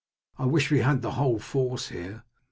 I wish we had the whole force here."